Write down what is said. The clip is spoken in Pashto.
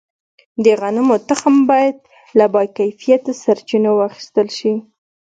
د غنمو تخم باید له باکیفیته سرچینو واخیستل شي.